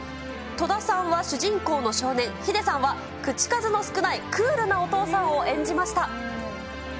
戸田さんは主人公の少年、ヒデさんは口数の少ないクールなお父さんを演じました。